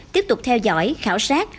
tiếp tục theo dõi khảo sát